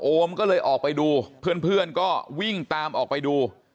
มก็เลยออกไปดูเพื่อนก็วิ่งตามออกไปดู